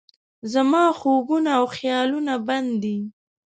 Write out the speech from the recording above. زما خوبونه او خیالونه بند دي